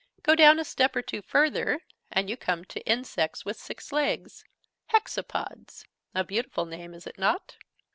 Go down a step or two further, and you come to insects with six legs hexapods a beautiful name, is it not?